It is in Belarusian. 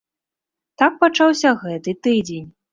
Так пачаўся гэты тыдзень.